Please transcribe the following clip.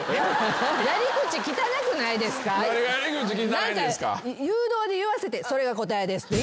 何か誘導で言わせて「それが答えです」って。